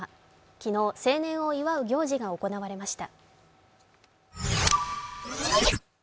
昨日、成年を祝う行事が行われました。